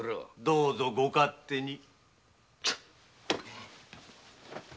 どうぞご勝手に。